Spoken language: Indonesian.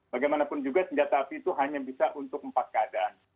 bagaimanapun juga senjata api itu hanya bisa untuk empat keadaan